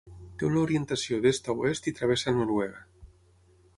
Té una orientació d'est a oest i travessa Noruega.